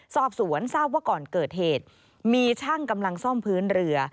สอบสวนทราบว่าก่อนเกิดเหตุมีช่างกำลังซ่อมพื้นเรือ